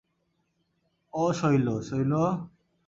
ও শৈল, শৈল!